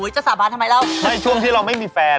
อุ๊ยจะสาบานทำไมแล้ว